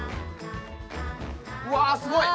わすごい！